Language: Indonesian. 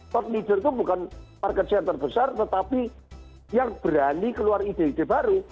tourt measure itu bukan market share terbesar tetapi yang berani keluar ide ide baru